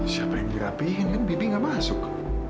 siapa yang dirapihin kan bibi nggak masuk